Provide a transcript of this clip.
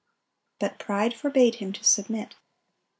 But pride forbade him to submit.